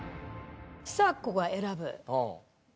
ちさ子が選ぶ。